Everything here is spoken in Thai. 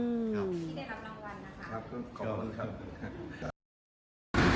ที่ได้รับรางวัลนะครับขอบคุณครับ